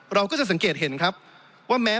เราก็จะสังเกตเห็นครับว่าแม้